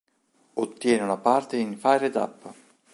Ottiene una parte in "Fired Up!